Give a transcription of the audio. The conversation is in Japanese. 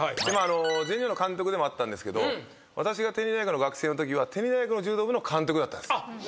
全日本の監督でもあったんですけど私が天理大学の学生のときは天理大学の柔道部の監督だったんです。